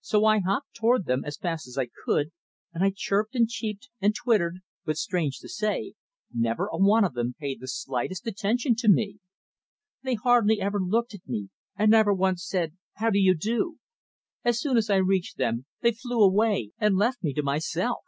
So I hopped toward them as fast as I could, and I chirped, and cheeped, and twittered, but, strange to say, never a one of them paid the slightest attention to me. They hardly ever looked at me, and never once said: "How do you do?" As soon as I reached them they flew away and left me to myself.